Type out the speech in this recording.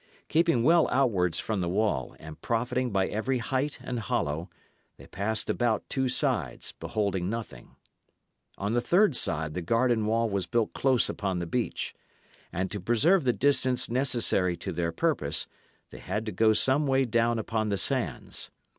Keeping well outwards from the wall, and profiting by every height and hollow, they passed about two sides, beholding nothing. On the third side the garden wall was built close upon the beach, and to preserve the distance necessary to their purpose, they had to go some way down upon the sands.